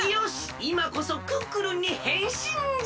いまこそクックルンにへんしんじゃ。